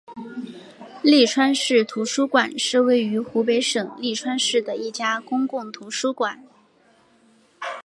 利川市图书馆是位于湖北省利川市的一家公共图书馆。